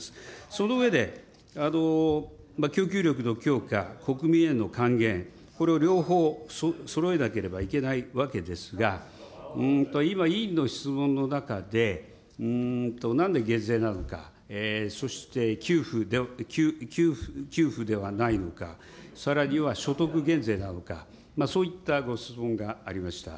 その上で、供給力の強化、国民への還元、これを両方そろえなければいけないわけですが、今、委員の質問の中で、なんで減税なのか、そして給付ではないのか、さらには所得減税なのか、そういったご質問がありました。